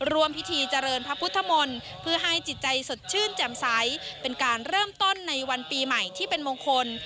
ร่วมพิธีเจริญพระพุทธมนตร์เพื่อให้จิตใจสดชื่นแจ่มใสเป็นการเริ่มต้นในวันปีใหม่ที่เป็นมงคล